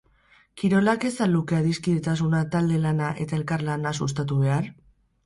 Kirolak ez al luke adiskidetasuna, talde lana eta elkartasuna sustatu behar?